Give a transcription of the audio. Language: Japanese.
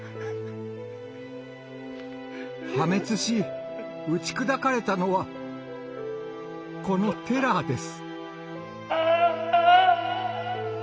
破滅し打ち砕かれたのはこのテラーです。